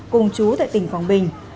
cùng chú tại tỉnh phòng bình